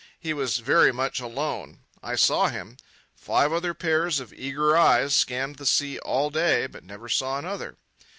He was very much alone. I saw him. Five other pairs of eager eyes scanned the sea all day, but never saw another.